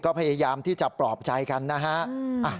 ก็พยายามที่จะปลอบใจกันนะฮะ